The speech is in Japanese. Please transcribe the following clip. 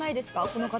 この方。